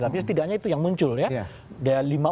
tapi setidaknya itu yang muncul ya